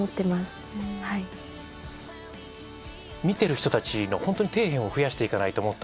見てる人たちのホントに底辺を増やしていかないと。